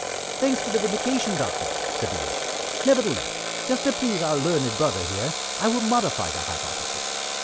"Thanks for the vindication, Doctor," said the Idiot. "Nevertheless, just to please our learned brother here, I will modify the hypothesis.